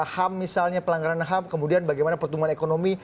ham misalnya pelanggaran ham kemudian bagaimana pertumbuhan ekonomi